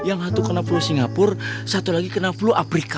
yang satu kena flow singapura satu lagi kena flu afrika